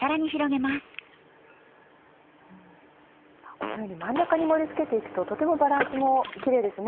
このように真ん中に盛り付けて行くととてもバランスもキレイですね。